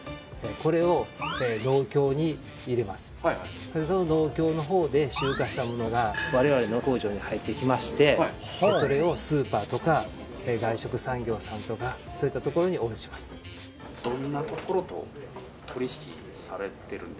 これを農協に入れますその農協の方で集荷したものが我々の工場に入ってきましてそれをスーパーとか外食産業さんとかそういったところに卸しますわわ！